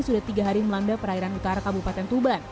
sudah tiga hari melanda perairan utara kabupaten tuban